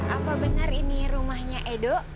apa benar ini rumahnya edo